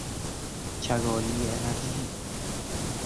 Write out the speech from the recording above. چگالی انرژی